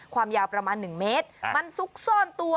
ความยาวประมาณ๑เมตรมันซุกซ่อนตัว